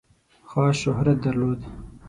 خاص شهرت درلود.